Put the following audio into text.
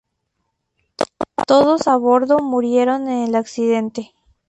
Todos a bordo murieron en el accidente.